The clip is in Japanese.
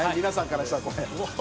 皆さんからしたら」